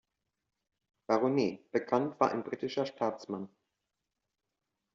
Baronet" bekannt, war ein britischer Staatsmann.